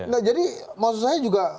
nah jadi maksud saya juga